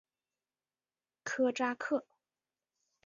科扎克。